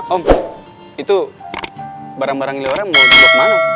om itu barang barang liora mau dibuat kemana